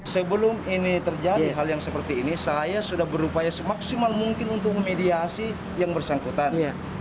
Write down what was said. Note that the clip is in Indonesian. sebelum ini terjadi hal yang seperti ini saya sudah berupaya semaksimal mungkin untuk memediasi yang bersangkutan